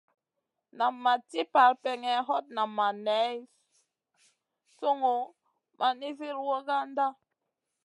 Nan ma ci parpèŋè, hot nan ma ŋay sungun ma nizi wragandana.